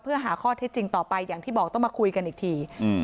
เพื่อหาข้อเท็จจริงต่อไปอย่างที่บอกต้องมาคุยกันอีกที